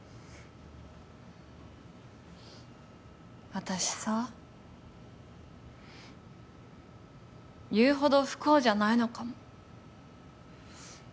私さ言うほど不幸じゃないのかも。